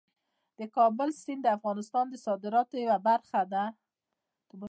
د کابل سیند د افغانستان د صادراتو یوه برخه ده.